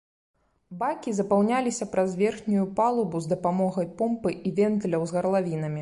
Бакі запаўняліся праз верхнюю палубу з дапамогай помпы і вентыляў з гарлавінамі.